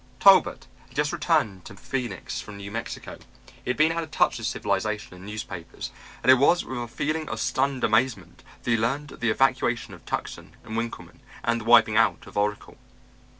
Talbot had just returned to Phoenix from New Mexico. He had been out of touch with civilization and newspapers and it was with a feeling of stunned amazement that he learned of the evacuation of Tucson and Winkleman and the wiping out of Oracle.